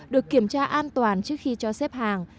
được kiểm tra an toàn trước khi cho xếp hàng